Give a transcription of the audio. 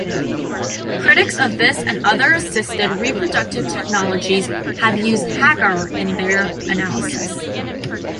Critics of this and other assisted reproductive technologies have used Hagar in their analysis.